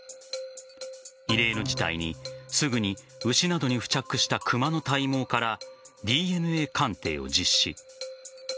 異例の事態にすぐに牛などに付着した熊の体毛からＤＮＡ鑑定を実施。